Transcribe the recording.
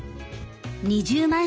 ２０万本！